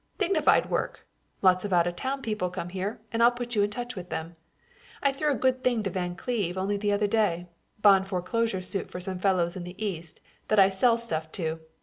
Dignified work. Lots of out of town people come here and I'll put you in touch with them. I threw a good thing to Van Cleve only the other day. Bond foreclosure suit for some fellows in the East that I sell stuff to.